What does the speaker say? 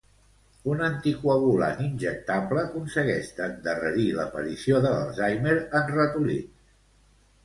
Un anticoagulant injectable aconsegueix d'endarrerir l'aparició de l'Alzheimer en ratolins.